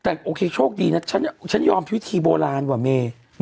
แต่โอเคโชคดีนะฉันยอมวิธีโบราณว่ะเม